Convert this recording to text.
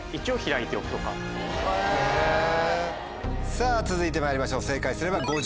さぁ続いてまいりましょう正解すれば。